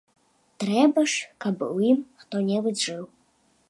Трэба ж, каб у ім хто-небудзь жыў.